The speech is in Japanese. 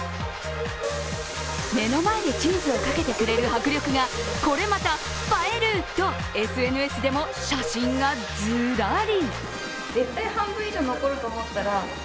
目の前でチーズをかけてくれる迫力がこれまた映えるとＳＮＳでも写真がずらり。